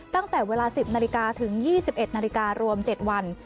ตั้งแต่เวลา๑๐นาฬิกาถึง๒๑นาฬิการวม๗วัน